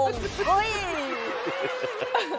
น็อกรอบวง